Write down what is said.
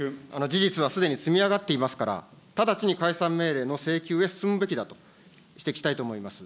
事実はすでに積み上がっていますから、直ちに解散命令の請求へ進むべきだと指摘したいと思います。